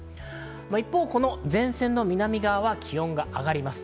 一方、前線の南側は気温が上がります。